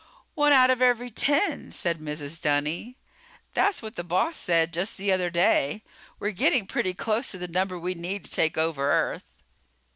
"One out of every ten!" said Mrs. Dunny. "That's what the boss said just the other day. 'We're getting pretty close to the number we need to take over Earth.'"